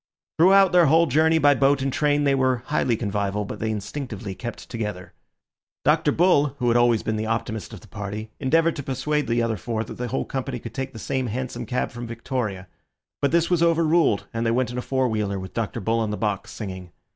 Throughout their whole journey by boat and train they were highly convivial, but they instinctively kept together. Dr. Bull, who had always been the optimist of the party, endeavoured to persuade the other four that the whole company could take the same hansom cab from Victoria; but this was over ruled, and they went in a four wheeler, with Dr. Bull on the box, singing.